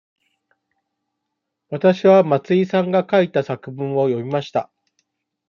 わたしは松井さんが書いた作文を読みました。